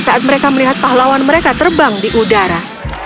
saat mereka melihat pahlawan mereka terbang di udara